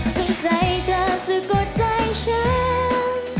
สงสัยเธอสะกดใจฉัน